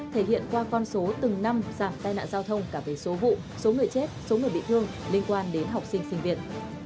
thể hiện qua con số từng năm giảm tai nạn giao thông cả về số vụ số người chết số người bị thương liên quan đến học sinh sinh viên